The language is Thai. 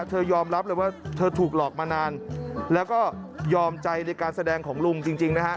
ยอมรับเลยว่าเธอถูกหลอกมานานแล้วก็ยอมใจในการแสดงของลุงจริงนะฮะ